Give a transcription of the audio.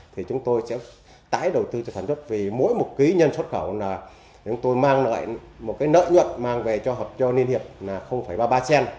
thì chúng tôi sẽ tái đầu tư cho sản xuất vì mỗi một ký nhân xuất khẩu là chúng tôi mang lại một cái nợ nhuận mang về cho hợp cho liên hiệp là ba mươi ba cent